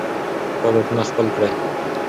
ښه عادتونه خپل کړئ.